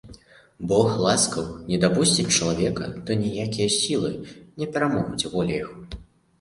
Бог ласкаў, не дапусціць чалавека, то ніякія сілы не перамогуць волі яго.